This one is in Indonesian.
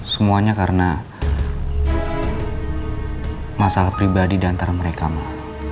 semuanya karena masalah pribadi antara mereka mak